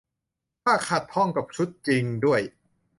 ค่าขัดห้องกับชุดจริงด้วย